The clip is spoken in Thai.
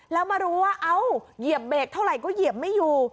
แล้วมารู้ว่าเอ้าเหยียบเบรกเท่าไหร่ก็เหยียบไม่อยู่